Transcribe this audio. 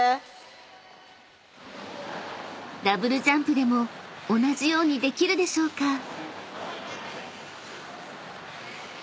［ダブルジャンプでも同じようにできるでしょうか？］